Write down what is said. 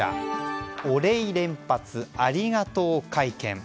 お礼連発、ありがとう会見。